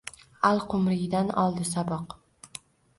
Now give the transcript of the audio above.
Аl-Qumriydan oldi saboq